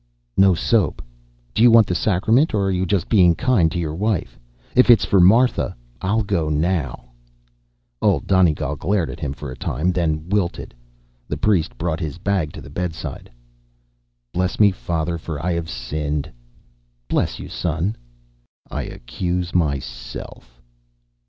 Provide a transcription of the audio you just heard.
"No soap. Do you want the sacrament, or are you just being kind to your wife? If it's for Martha, I'll go now." Old Donegal glared at him for a time, then wilted. The priest brought his bag to the bedside. "Bless me, father, for I have sinned." "Bless you, son." "I accuse myself